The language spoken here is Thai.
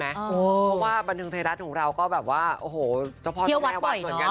เพราะว่าบันทึงไทยรัฐของเราก็แบบว่าโอ้โหเจ้าพ่อเจ้าแม่วัดเหมือนกัน